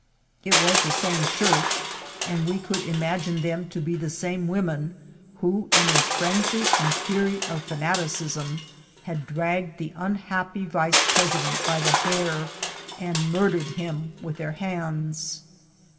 It was the same church, and we could imagine them to be the same women who, in a phrensy and fury of fanaticism, had dragged the unhap py vice president by the hair, and murdered him with their hands.